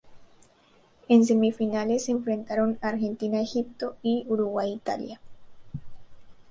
En semifinales se enfrentaron Argentina-Egipto y Uruguay-Italia.